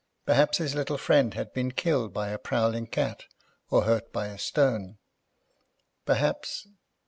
Perhaps his little friend had been killed by a prowling cat or hurt by a stone. Perhaps